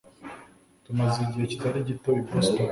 Tumaze igihe kitari gito i Boston.